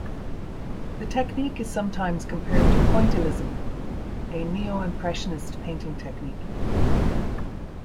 The technique is sometimes compared to "pointillism", a neo-impressionist painting technique.